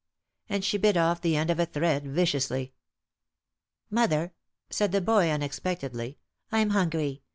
and she bit off the end of a thread viciously. "Mother," said the boy, unexpectedly, "I'm hungry.